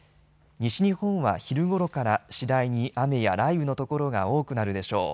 西日本は昼ごろから次第に雨や雷雨の所が多くなるでしょう。